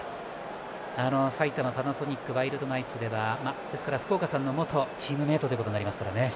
埼玉パナソニックワイルドナイツでは福岡さんの元チームメートとなりますね。